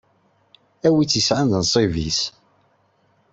Tezwarem-t?